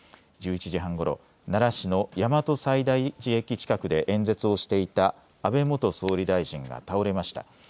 １１時半ごろ、奈良市の大和西大寺駅近くで演説をしていた安倍元総理大臣が倒れました。